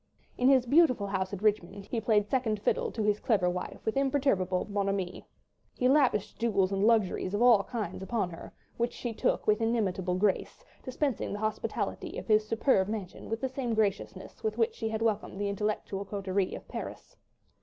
In his beautiful house at Richmond he played second fiddle to his clever wife with imperturbable bonhomie; he lavished jewels and luxuries of all kinds upon her, which she took with inimitable grace, dispensing the hospitality of his superb mansion with the same graciousness with which she had welcomed the intellectual coterie of Paris.